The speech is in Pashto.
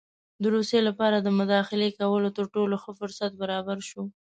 د روسیې لپاره د مداخلې کولو تر ټولو ښه فرصت برابر شو.